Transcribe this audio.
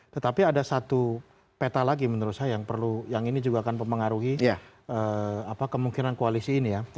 tetapi ada satu peta lagi menurut saya yang perlu yang ini juga akan mempengaruhi kemungkinan koalisi ini ya